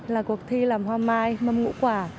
là cuộc thi làm hoa mai mâm ngũ quả